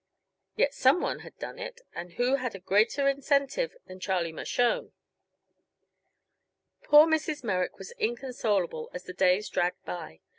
Yet some one had done it, and who had a greater incentive than Charlie Mershone? Poor Mrs. Merrick was inconsolable as the days dragged by.